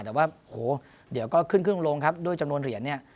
แต่เดี๋ยวก็ขึ้นบันไดด้วยจำนวนเหรียญ